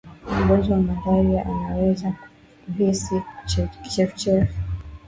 mgonjwa wa malaria anaweza kuhisi kichefuchefu